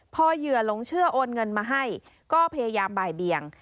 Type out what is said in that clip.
พอเหยื่อหลงเชื่อโอนเงินมาให้ก็พยายามบ่ายเบียง